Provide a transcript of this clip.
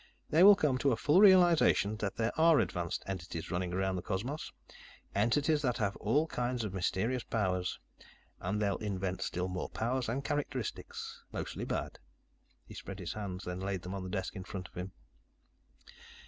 "They will come to a full realization that there are advanced entities running around the cosmos, entities that have all kinds of mysterious powers. And they'll invent still more powers and characteristics mostly bad." He spread his hands, then laid them on the desk in front of him.